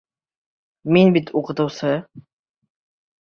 Мин бит уҡытыусы.